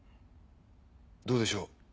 どうでしょう？